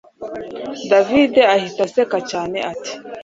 david ahita aseka cyane ati